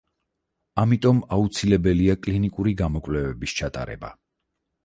ამიტომ, აუცილებელია კლინიკური გამოკვლევების ჩატარება.